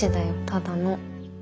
ただの。